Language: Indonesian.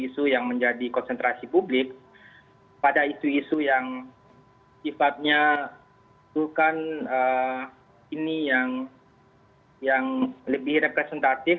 isu yang menjadi konsentrasi publik pada isu isu yang sifatnya itu kan ini yang lebih representatif